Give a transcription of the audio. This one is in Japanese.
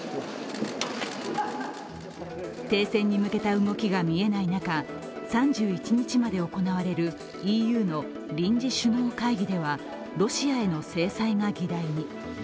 停戦に向けた動きが見えない中、３１日まで行われるＥＵの臨時首脳会議ではロシアへの制裁が議題に。